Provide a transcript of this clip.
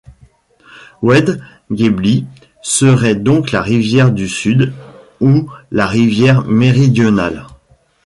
Oued Guebli serait donc la rivière du Sud ou la rivière méridionale.